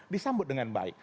disambut dengan baik